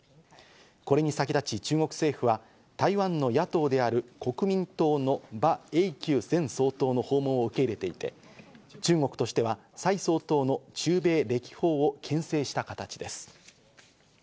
これに先立ち中国政府は台湾の野党である国民党のバ・エイキュウ前総統の訪問を受け入れていて、中国としてはサイ総統の中米歴訪を牽制した形です。